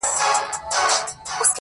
خو د نوکانو په سرونو کي به ځان ووينم~